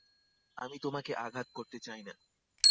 আমি তোমাকে আঘাত করতে চাই না।